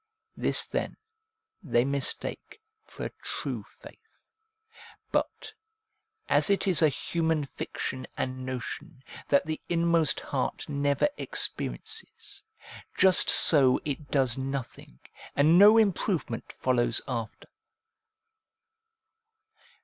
This then they mistake for a true faith. But, as it is a human fiction and notion, that the inmost heart never experiences, just so it does nothing, and no improvement follows after.